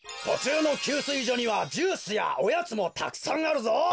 とちゅうの給水所にはジュースやおやつもたくさんあるぞ！